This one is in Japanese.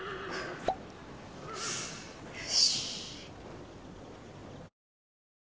よし。